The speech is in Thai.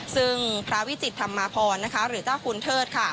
ซึ่งพระวิจิตธรรมาภรณ์นะคะหรือเจ้าคุณเทิดค่ะ